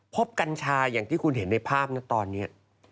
กัญชาอย่างที่คุณเห็นในภาพนะตอนนี้